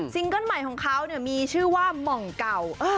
เกิ้ลใหม่ของเขามีชื่อว่าหม่องเก่า